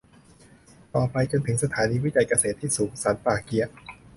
ต่อไปจนถึงสถานีวิจัยเกษตรที่สูงสันป่าเกี๊ยะ